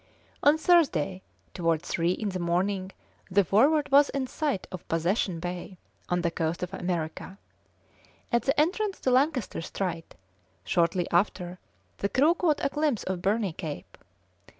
On Thursday, towards three in the morning, the Forward was in sight of Possession Bay, on the coast of America. At the entrance to Lancaster Strait, shortly after, the crew caught a glimpse of Burney Cape.